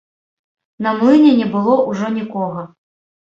На млыне не было ўжо нікога.